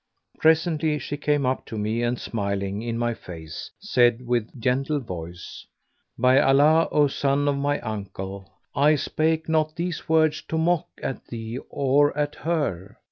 Presently she came up to me and smiling in my face, said with gentle voice, "By Allah, O son of my uncle, I spake not these words to mock at thee or at her!